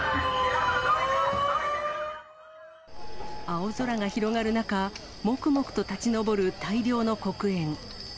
青空が広がる中、もくもくと立ち上る大量の黒煙。